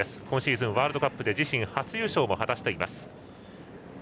今シーズン、ワールドカップで自身初優勝を果たしています。